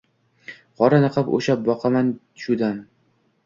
Qora niqob osha boqaman shu dam.